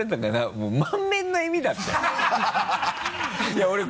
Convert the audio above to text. もう満面の笑みだったよ。